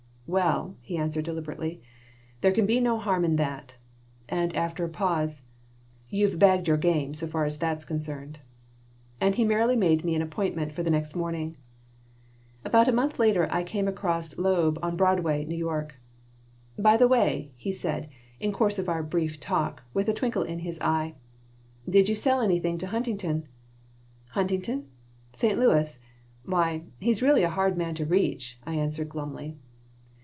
"Well," he answered, deliberately, "there can be no harm in that." And after a pause, "You've bagged your game so far as that's concerned." And he merrily made me an appointment for the next morning About a month later I came across Loeb on Broadway, New York "By the way," he said, in the course of our brief talk, with a twinkle in his eve, "did you sell anything to Huntington?" "Huntington? St. Louis? Why, he really is a hard man to reach," I answered, glumly.